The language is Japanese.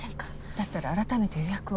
だったら改めて予約を。